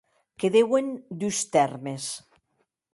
Que deuen dus tèrmes.